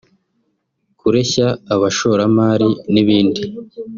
kureshya abashoramari n’ibindi